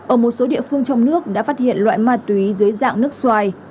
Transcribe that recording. ở một số địa phương trong nước đã phát hiện loại ma túy dưới dạng nước xoài